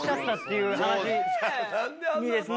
いいですね。